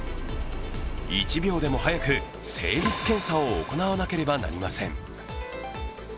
１秒でも早く精密検査を行わなければなりません。